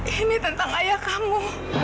ini tentang ayah kamu